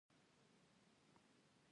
دا واقعیا اړتیا لري